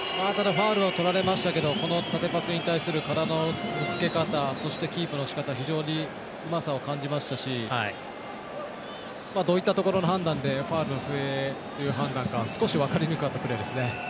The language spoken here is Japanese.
ファウルはとれましたけど縦パスに対する体のぶつけ方そしてキープのしかた、非常にうまさを感じましたしどういったところの判断でファウルの笛という判断か少し分かりにくかったプレーですね。